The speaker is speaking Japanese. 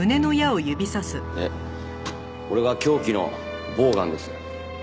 でこれが凶器のボウガンです。